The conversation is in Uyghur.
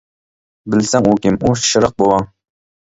بىلسەڭ ئۇ كىم؟ ئۇ شىراق بوۋاڭ.